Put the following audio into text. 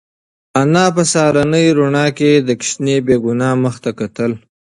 انا په سهارنۍ رڼا کې د ماشوم بې گناه مخ ته کتل.